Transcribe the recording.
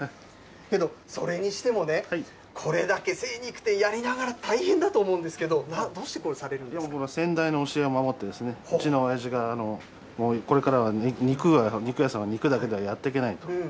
けど、それにしてもね、これだけ精肉店やりながら大変だと思うんですけど、でもほら、先代の教えを守って、うちのおやじが、これからは肉屋さんは肉だけではやっていけないと。